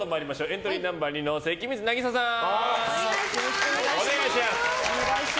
エントリーナンバー２の関水渚さん。